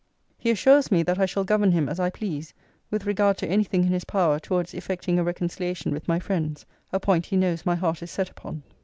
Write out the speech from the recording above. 'He assures me, that I shall govern him as I please, with regard to any thing in his power towards effecting a reconciliation with my friends:' a point he knows my heart is set upon.